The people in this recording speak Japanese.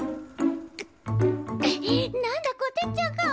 何だこてっちゃんか。